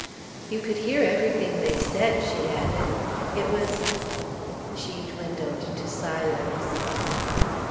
"You could hear everything they said," she added. "It was " she dwindled to silence.